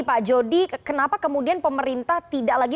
pak jody kenapa kemudian pemerintah tidak lagi